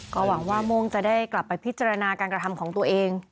ก็หวังว่าโม่งจะได้กลับไปพิจารณาการกระทำของตัวเอง